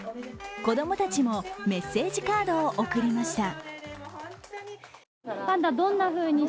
子供たちもメッセージカードを贈りました。